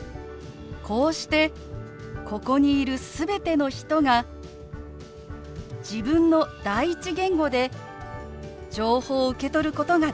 こうしてここにいる全ての人が自分の第一言語で情報を受け取ることができる。